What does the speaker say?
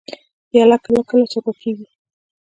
پیاله کله کله چپه کېږي.